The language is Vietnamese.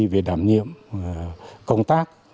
về đảm nhiệm công tác